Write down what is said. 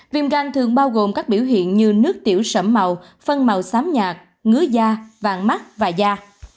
viêm gan thường bao gồm các biểu hiện như nước tiểu sầm màu phân màu xám nhạc ngứa da vàng mắt và da